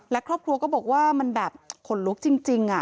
และครอบครัวก็บอกว่ามันแบบขนลุกจริง